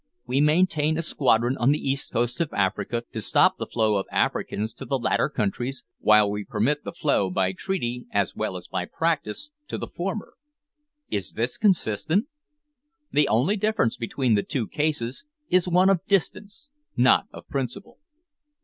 We maintain a squadron on the east coast of Africa to stop the flow of Africans to the latter countries, while we permit the flow by treaty, as well as by practice, to the former. Is this consistent? The only difference between the two cases is one of distance, not of principle.